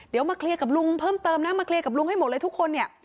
เดี๋ยวมาเคลียร์กับลุงเพิ่มเติมนะมาเคลียร์กับลุงให้หมดเลยทุกคนเนี่ย